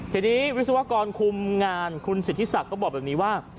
ทีนี้วิศวกรคุมงานคุณสิทธิศักดิ์ก็บอกแบบนี้ว่า